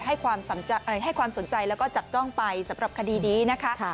ให้ความสนใจแล้วก็จับจ้องไปสำหรับคดีนี้นะคะ